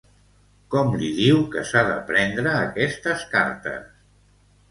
Com li diu que s'ha de prendre aquestes cartes?